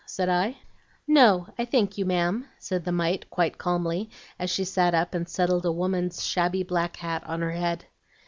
said I. "'No, I thank you, ma'am,' said the mite quite calmly, as she sat up and settled a woman's shabby black hat on her head.